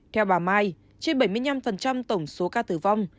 theo bà mai trên bảy mươi năm tổng số ca tử vong